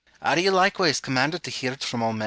Are you likewise coramanded to hear it from all men?